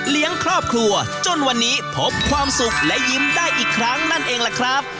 ครอบครัวจนวันนี้พบความสุขและยิ้มได้อีกครั้งนั่นเองล่ะครับ